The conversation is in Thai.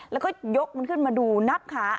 แล้วก็ยกมันขึ้นมาดูนับขา